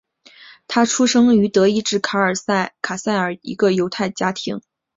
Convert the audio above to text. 他出生于德意志卡塞尔一个犹太家庭。